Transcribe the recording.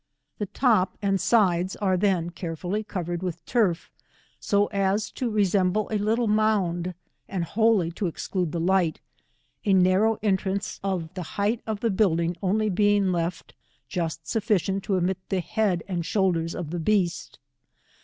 The top and sides are then carefully covered with furf, so as to resemble a little mound, and wholly to exclude the light, a narrow entrance of the height of the building only being left, just sufficient to admit the head and shoulders of the beast.